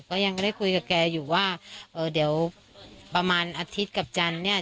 ก็ยังได้คุยกับแกอยู่ว่าเออเดี๋ยวประมาณอาทิตย์กับจันทร์เนี่ย